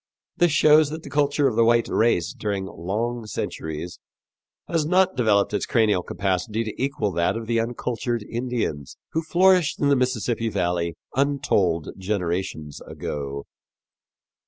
This shows that the culture of the white race during long centuries has not developed its cranial capacity to equal that of the uncultured Indians who flourished in the Mississippi valley untold generations ago.